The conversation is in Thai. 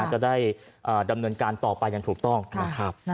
จะได้ดำเนินการต่อไปอย่างถูกต้องนะครับ